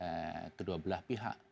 dengan kedua belah pihak